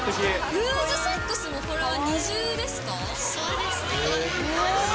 ルーズソックスもこれは二重そうですね。